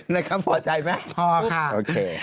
นายค่ะปลอดภัยไหมครับพอค่ะจบค่ะโอเค